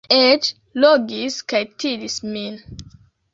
Eĉ logis kaj tiris min.